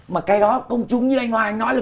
mà cái đó công chúng như anh hoàng nói là